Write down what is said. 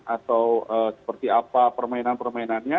atau seperti apa permainan permainannya